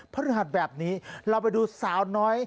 พระรุนาฮาลแบบนี้เราไปดูสาวน้อย